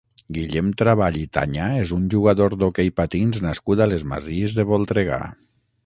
Guillem Trabal i Tañá és un jugador d'hoquei patins nascut a les Masies de Voltregà.